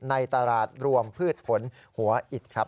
ในตลาดรวมพืชผลหัวอิดครับ